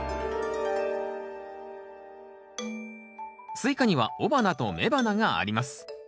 スイカには雄花と雌花があります。